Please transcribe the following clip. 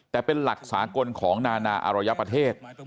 แต่เป็นหลักสากลของนานาอารยประเทศ